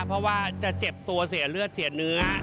เพราะว่าจะเจ็บตัวเสียเลือดเสียเนื้อ